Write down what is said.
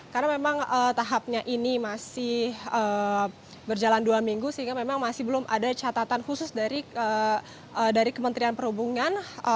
karena memang tahapnya ini masih berjalan dua minggu sehingga memang masih belum ada catatan khusus dari kementerian perhubungan